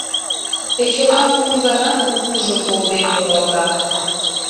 Кечылан кум гана кукужо толден муралта.